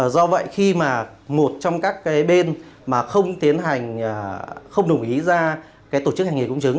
do vậy khi một trong các bên mà không đồng ý ra tổ chức hành nghề cung chứng